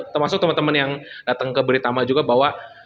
termasuk teman teman yang datang ke beritama juga bahwa